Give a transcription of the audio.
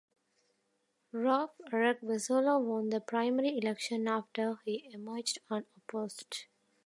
Rauf Aregbesola won the primary election after he emerged unopposed.